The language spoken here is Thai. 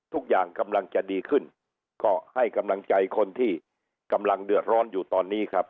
ทุกอย่างกำลังจะดีขึ้นก็ให้กำลังใจคนที่กำลังเดือดร้อนอยู่ตอนนี้ครับ